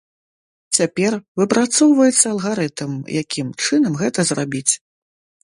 Цяпер выпрацоўваецца алгарытм, якім чынам гэта зрабіць.